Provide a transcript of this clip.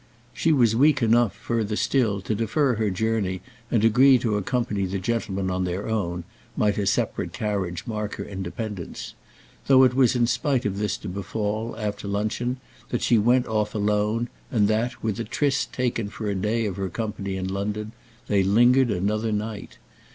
She was weak enough, further still, to defer her journey and agree to accompany the gentlemen on their own, might a separate carriage mark her independence; though it was in spite of this to befall after luncheon that she went off alone and that, with a tryst taken for a day of her company in London, they lingered another night.